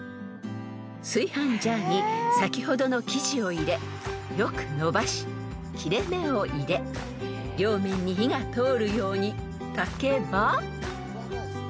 ［炊飯ジャーに先ほどの生地を入れよくのばし切れ目を入れ両面に火が通るように炊けば］